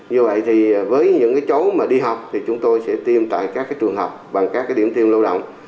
như vậy thì với những cháu mà đi học thì chúng tôi sẽ tiêm tại các trường học bằng các điểm tiêm lưu động